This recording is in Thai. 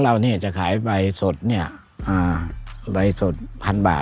เพราะเราจะขายใบสดเนี่ยใบสด๑๐๐๐บาทใบแห้ง๕๐๐๐บาท